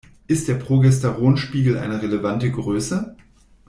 Ist der Progesteronspiegel eine relevante Größe?